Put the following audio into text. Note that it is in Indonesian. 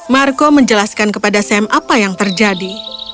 marco menjelaskan kepada sam apa yang terjadi